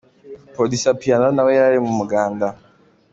Producer Piano nawe yari mu muganda.